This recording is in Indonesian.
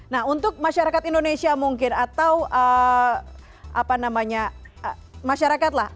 nah untuk masyarakat indonesia mungkin atau apa namanya masyarakat lah